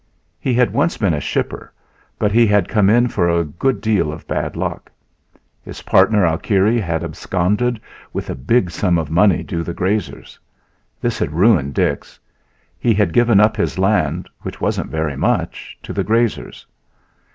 He had once been a shipper, but he had come in for a good deal of bad luck. His partner, Alkire, had absconded with a big sum of money due the grazers. This had ruined Dix; he had given up his land, which wasn't very much, to the grazers.